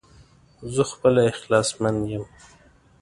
زه خپله اخلاص مند يم